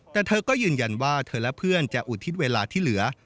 แต่เธอก็ยืนยันว่าเธอและเพื่อนจะอุทิศเวลาที่เหลือ